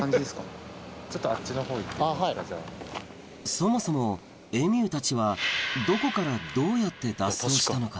そもそもエミューたちはどこからどうやって脱走したのか？